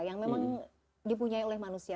yang memang dipunyai oleh manusia